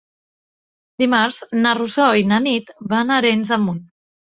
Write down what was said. Dimarts na Rosó i na Nit van a Arenys de Munt.